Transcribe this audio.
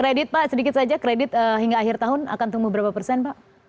kredit pak sedikit saja kredit hingga akhir tahun akan tumbuh berapa persen pak